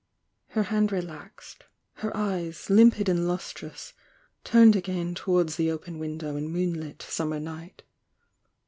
Her hand relaxed,— her eyes, limpid and lustrous, turned again towards the open window and moonlit summer night.